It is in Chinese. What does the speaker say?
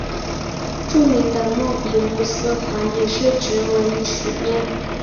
著名的莫比乌斯环也是直纹曲面。